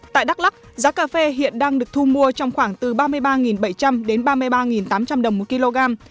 tại đắk lắc giá cà phê hiện đang được thu mua trong khoảng từ ba mươi ba bảy trăm linh đến ba mươi ba tám trăm linh đồng một kg